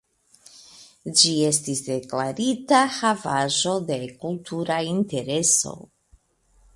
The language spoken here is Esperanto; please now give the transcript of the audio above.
Ĝi estis deklartia Havaĵo de Kultura Intereso.